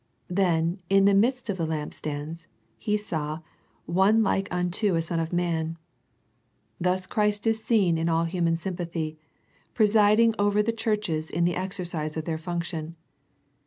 Then " in the midst of the lampstands " he saw " One like unto a Son of man." Thus Christ is seen in all human sympathy, presid ing over the churches in the exercise of their function.